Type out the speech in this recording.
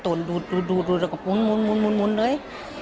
น้ำไม่ได้ตูนดูดก็พุนเลย